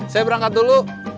saya berangkat dulu